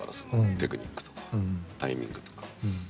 テクニックとかタイミングとか。